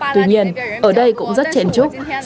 tuy nhiên ở đây cũng rất chen chúc